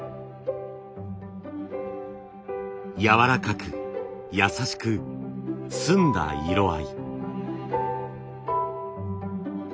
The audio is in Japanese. やわらかく優しく澄んだ色合い。